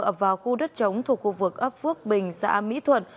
ập vào khu đất chống thuộc khu vực ấp phước bình xã mỹ thuận